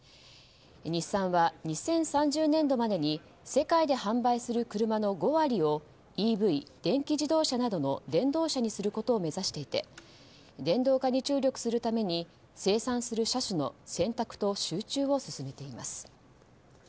日産は２０３０年度までに世界で販売する車の５割をＥＶ・電気自動車などの電動車にすることを目指していて電動化に注力するために生産する車種の選択と集中を進めています。